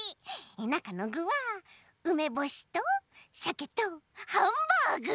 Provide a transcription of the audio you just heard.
なかのぐはうめぼしとシャケとハンバーグ。